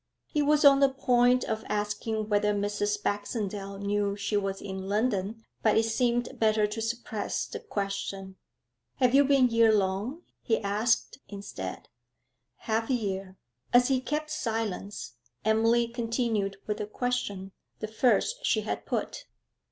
He was on the point of asking whether Mrs. Baxendale knew she was in London, but it seemed better to suppress the question. 'Have you been there long?' he asked instead. 'Half a year.' As he kept silence, Emily continued with a question, the first she had put.